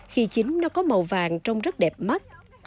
khi chín nó có màu vàng trông rất đẹp mắt